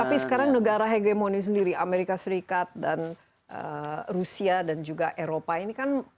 tapi sekarang negara hegemoni sendiri amerika serikat dan rusia dan juga eropa ini kan